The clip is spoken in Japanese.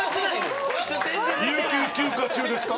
有給休暇中ですか？